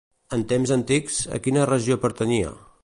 En temps antics, a quina regió pertanyia?